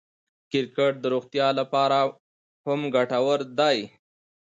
کرکټ د روغتیا له پاره هم ګټور دئ.